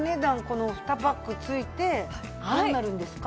この２パック付いてどうなるんですか？